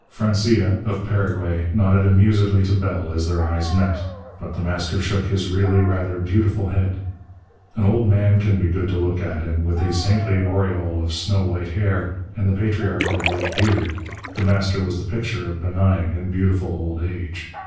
Francia, of Paraguay, nodded amusedly to Bell as their eyes met. But The Master shook his really rather beautiful head. An old man can be good to look at, and with a saintly aureole of snow white hair and the patriarchal white beard, The Master was the picture of benign and beautiful old age.